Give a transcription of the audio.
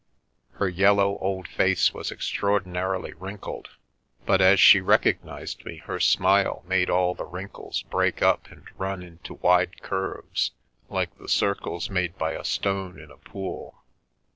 Her yellow, old face was extraordinarily wrinkled, but as she recognised me, her smile made all the wrinkles break up and run into wide curves, like the circles made by a stone in a pool.